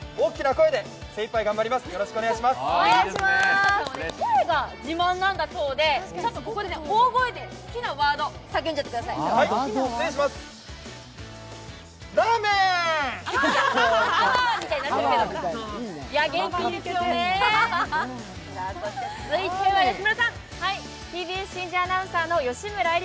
声が自慢なんだそうで、ここで大声で好きなワード叫んじゃってください。